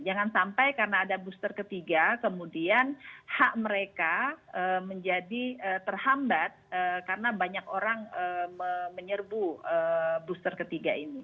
jangan sampai karena ada booster ketiga kemudian hak mereka menjadi terhambat karena banyak orang menyerbu booster ketiga ini